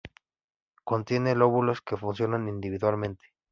Contiene lóbulos que funcionan individualmente.